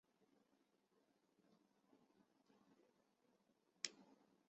课程与打工是增加艺人大部分能力的方法。